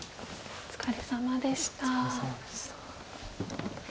お疲れさまでした。